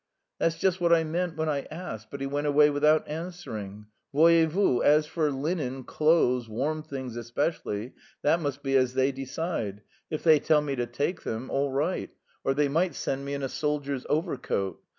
"That's just what I meant when I asked, but he went away without answering. Voyez vous: as for linen, clothes, warm things especially, that must be as they decide; if they tell me to take them all right, or they might send me in a soldier's overcoat.